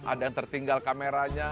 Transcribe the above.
ada yang tertinggal kameranya